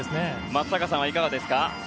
松坂さんはいかがですか？